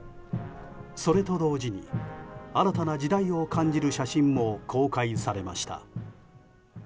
それと同時に新たな時代を感じる写真も公開されました。